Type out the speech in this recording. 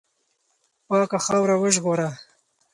پاکه خاوره وژغوره.